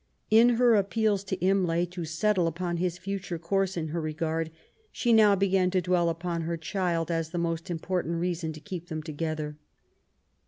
In her appeals to Imlay to settle upon his future course in her regard, she now began to dwell upon their child as the most important reason to keep them together.